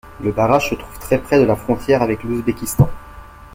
Le barrage se trouve très près de la frontière avec l'Ouzbékistan.